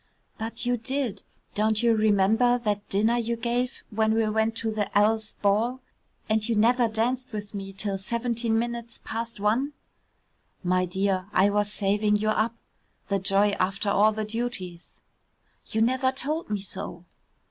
"But you did. Don't you remember that dinner you gave when we went to the L 's ball and you never danced with me till seventeen minutes past one?" "My dear, I was saving you up. The joy after all the duties." "You never told me so."